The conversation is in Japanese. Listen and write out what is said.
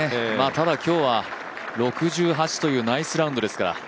ただ今日は６８というナイスラウンドですから。